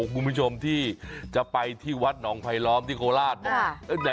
คุณผู้ชมที่จะไปที่วัดหนองไผลล้อมที่โคราชบอก